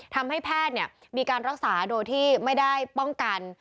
ทำให้แพทย์มีการรักษาโดยที่ไม่ได้ป้องกัน